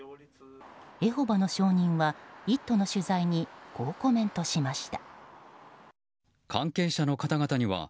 エホバの証人は「イット！」の取材にこうコメントしました。